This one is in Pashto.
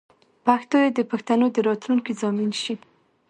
پښتو دې د پښتنو د راتلونکې ضامن شي.